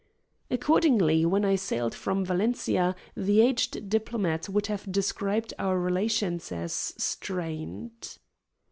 Accordingly, when I sailed from Valencia the aged diplomat would have described our relations as strained.